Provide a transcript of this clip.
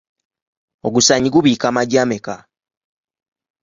Ogusaanyi gubiika amagi ameka?